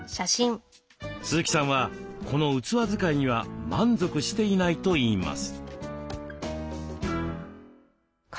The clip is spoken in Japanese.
鈴木さんはこの器使いには満足していないといいます。